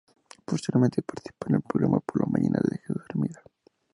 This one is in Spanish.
Posteriormente participó en el programa "Por la mañana" de Jesús Hermida.